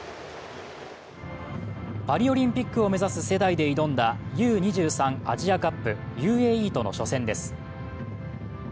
パリオリンピックを目指す世代で挑んだＵ−２３アジアカップＵＡＥとの初戦です。